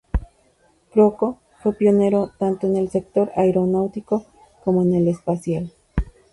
Crocco fue pionero tanto en el sector aeronáutico como en el espacial.